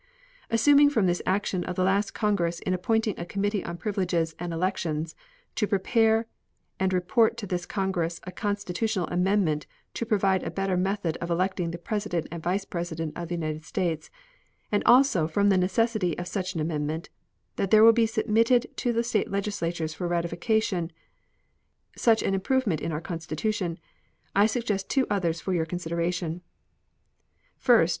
Assuming from the action of the last Congress in appointing a Committee on Privileges and Elections to prepare and report to this Congress a constitutional amendment to provide a better method of electing the President and Vice President of the United States, and also from the necessity of such an amendment, that there will be submitted to the State legislatures for ratification such an improvement in our Constitution, I suggest two others for your consideration: First.